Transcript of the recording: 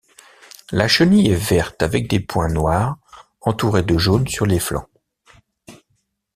La chenille est verte avec des points noirs entourés de jaune sur les flancs.